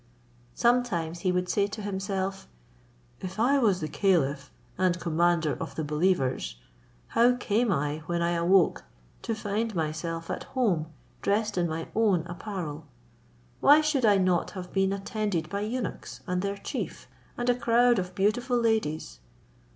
Sometimes he would say to himself, "If I was the caliph and commander of the believers, how came I, when I awoke, to find myself at home dressed in my own apparel? Why should I not have been attended by eunuchs, and their chief, and a crowd of beautiful ladies?